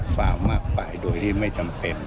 ฝากมากไปโดยที่ไม่จำเป็น